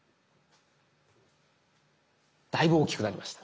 だいぶ大きくなりました。